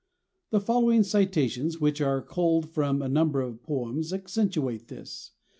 The following citations, which are culled from a number of poems, accentuate this.